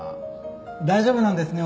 大丈夫なんですね？